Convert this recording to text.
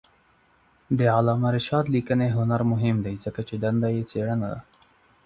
د علامه رشاد لیکنی هنر مهم دی ځکه چې دنده یې څېړنه ده.